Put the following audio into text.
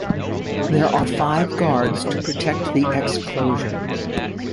There are five guards to protect the exclosure.